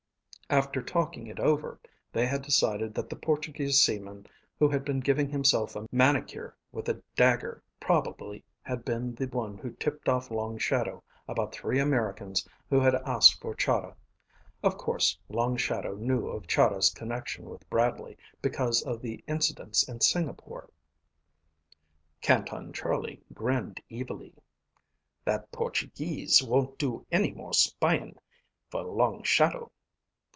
After talking it over, they had decided that the Portuguese seaman who had been giving himself a manicure with a dagger probably had been the one who tipped off Long Shadow about three Americans who had asked for Chahda. Of course Long Shadow knew of Chahda's connection with Bradley because of the incidents in Singapore. Canton Charlie grinned evilly. "That Portuguese won't do any more spyin' for Long Shadow."